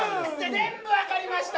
全部わかりました！